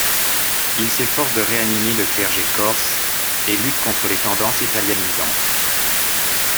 Il s'efforce de réanimer le clergé corse et lutte contre les tendances italianisantes.